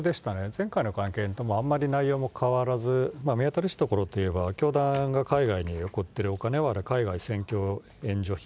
前回の会見ともあまり内容も変わらず、目新しいところといえば、教団が海外に送ってるお金は海外宣教援助費、